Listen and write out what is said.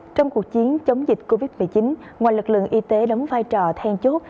trong cuộc chiến chống dịch covid một mươi chín ngoài lực lượng y tế đóng vai trò then chốt